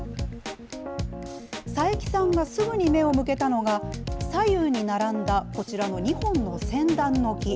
佐伯さんがすぐに目を向けたのが、左右に並んだ、こちらの２本のセンダンの木。